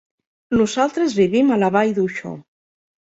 Nosaltres vivim a la Vall d'Uixó.